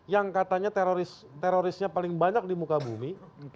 yang katanya terorisnya paling banyak di muka bumi